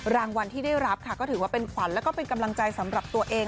รางวัลที่ได้รับค่ะก็ถือว่าเป็นขวัญแล้วก็เป็นกำลังใจสำหรับตัวเอง